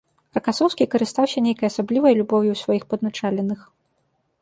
Ракасоўскі карыстаўся нейкай асаблівай любоўю ў сваіх падначаленых.